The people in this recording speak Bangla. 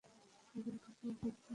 মহল গেসে হাত থেইক্কা।